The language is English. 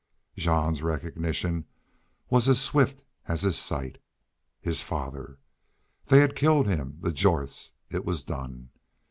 Jean's recognition was as swift as his sight. His father! They had killed him! The Jorths! It was done.